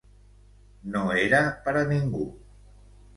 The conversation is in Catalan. No era per a ningú.